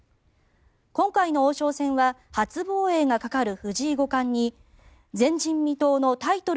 今回の王将戦は初防衛がかかる藤井五冠に前人未到のタイトル